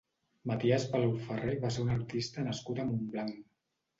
Maties Palau Ferré va ser un artista nascut a Montblanc.